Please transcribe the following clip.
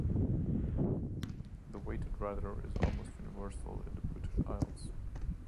The weighted rudder is almost universal in the British Isles.